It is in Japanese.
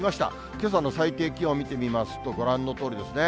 けさの最低気温見てみますと、ご覧のとおりですね。